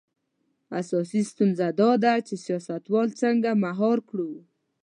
اساسي ستونزه دا ده چې سیاستوال څنګه مهار کړو.